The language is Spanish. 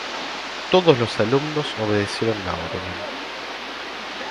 Todos los alumnos obedecieron la orden.